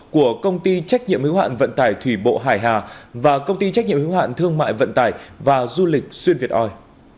của công ty trách nhiệm hiếu hạn vận tải thủy bộ hải hà và công ty trách nhiệm hiếu hạn thương mại vận tải và du lịch xuyên việt oi